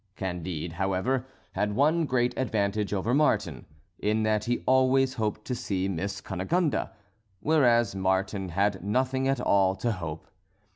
Candide, however, had one great advantage over Martin, in that he always hoped to see Miss Cunegonde; whereas Martin had nothing at all to hope.